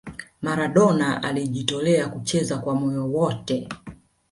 maradona alijitolea kucheza kwa moyo wote